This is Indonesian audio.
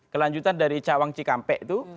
kelanjutan dari cawang cikampek itu